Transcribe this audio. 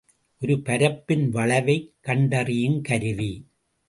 ஒரு பரப்பின் வளைவைக் கண்டறியுங் கருவி.